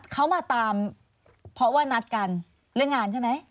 เขามาตามเพราะว่านัดกันเรื่องงานใช่ไหม